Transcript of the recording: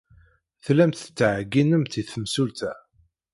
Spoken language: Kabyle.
Tellamt tettɛeyyinemt i temsulta.